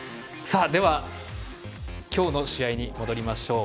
では、今日の試合に戻りましょう。